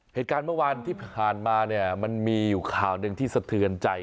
เหตุการณ์เมื่อวานที่ผ่านมาเนี่ยมันมีอยู่ข่าวหนึ่งที่สะเทือนใจ